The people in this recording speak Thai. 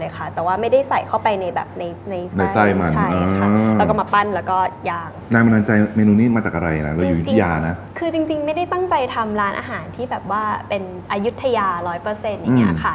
คือจริงไม่ได้ตั้งใจทำร้านอาหารที่แบบว่าเป็นอายุทยา๑๐๐อย่างนี้ค่ะ